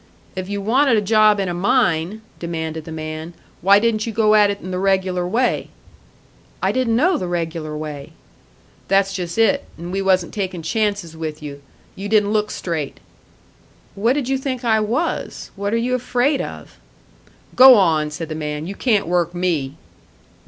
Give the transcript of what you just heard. "If you wanted a job in a mine," demanded the man, "why didn't you go at it in the regular way?" "I didn't know the regular way." "That's just it. And we wasn't takin' chances with you. You didn't look straight." "But what did you think I was? What are you afraid of?" "Go on!" said the man. "You can't work me!"